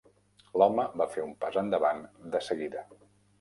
L'home va fer un pas endavant de seguida.